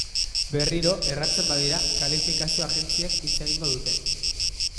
Berriro, erratzen badira, kalifikazio agentziek hitz egingo dute.